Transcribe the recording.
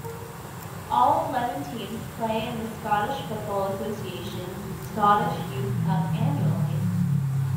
All eleven teams play in the Scottish Football Association's Scottish Youth Cup annually.